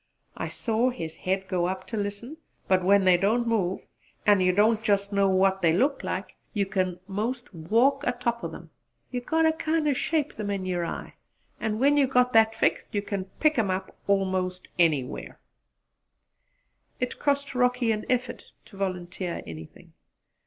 "I saw his head go up ter listen; but when they don't move, an' you don't jus' know what they look like, you kin 'most walk atop o' them. You got ter kind o' shape 'em in yer eye, an' when you got that fixed you kin pick 'em up 'most anywhere!" It cost Rocky an effort to volunteer anything.